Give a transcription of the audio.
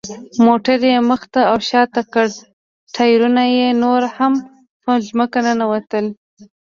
موټر یې مخ ته او شاته کړ، ټایرونه یې نور هم په ځمکه ننوتل.